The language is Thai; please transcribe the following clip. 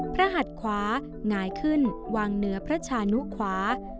หัดขวางายขึ้นวางเหนือพระชานุขวา